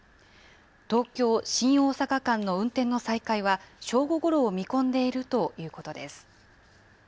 東京・新大阪間の運転の再開は、正午ごろを見込んでいるというこ